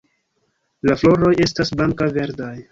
La floroj estas blanka-verdaj.